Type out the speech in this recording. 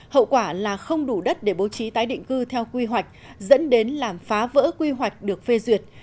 hậu quả là không đủ đất để bố trí tái định cư theo quy hoạch dẫn đến làm phá vỡ quy hoạch được phê duyệt